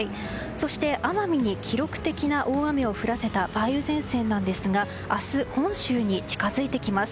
そして奄美に記録的な大雨を降らせた梅雨前線なんですが明日、本州に近づいてきます。